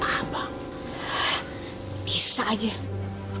abang bisa aja